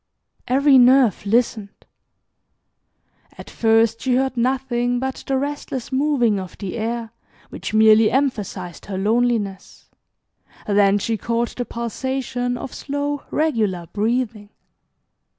Every nerve listened. At first she heard nothing but the restless moving of the air, which merely emphasized her loneliness, then she caught the pulsation of slow regular breathing.